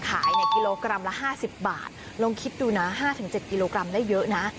ขายในกิโลกรัมละห้าสิบบาทลงคิดดูนะห้าถึงเจ็ดกิโลกรัมได้เยอะนะ